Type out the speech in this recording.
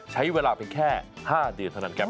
ใช้เวลาเป็นแค่๕เดือนเท่านั้นครับ